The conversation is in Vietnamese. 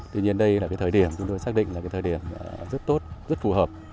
tuy nhiên đây là thời điểm chúng tôi xác định là thời điểm rất tốt rất phù hợp